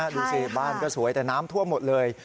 ดูสิบ้านก็สวยแต่น้ำท่วมหมดเลย